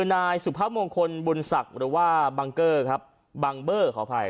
นายสุภาพมงคลบุญศักดิ์หรือว่าบังเกอร์ครับบังเบอร์ขออภัย